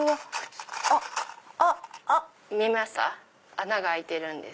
穴が開いてるんです。